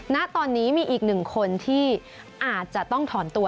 ณตอนนี้มีอีกหนึ่งคนที่อาจจะต้องถอนตัว